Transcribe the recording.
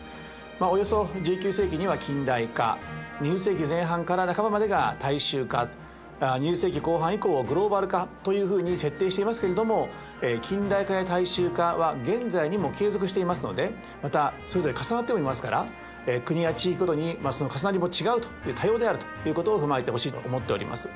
およそ１９世紀には近代化２０世紀前半から半ばまでが大衆化２０世紀後半以降をグローバル化というふうに設定していますけれども近代化や大衆化は現在にも継続していますのでまたそれぞれ重なってもいますから国や地域ごとにその重なりも違うと多様であるということを踏まえてほしいと思っております。